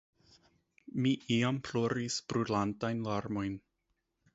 Mi iam ploris brulantajn larmojn.